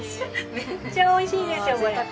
めっちゃ美味しいですよこれ。